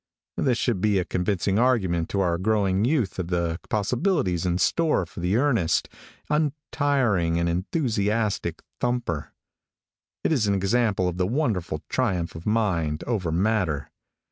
This should be a convincing argument to our growing youth of the possibilities in store for the earnest, untiring and enthusiastic thumper. It is an example of the wonderful triumph of mind over matter.